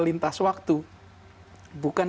lintas waktu bukan